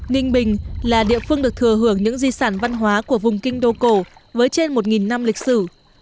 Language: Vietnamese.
ninh bình là địa phương được thừa hưởng những di sản văn hóa của vùng kinh đô cổ với trên một năm lịch sử